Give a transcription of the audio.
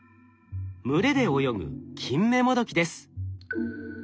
群れで泳ぐキンメモドキです。